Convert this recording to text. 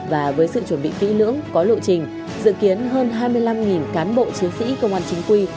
và với sự chuẩn bị kỹ lưỡng có lộ trình dự kiến hơn hai mươi năm cán bộ chiến sĩ công an chính quy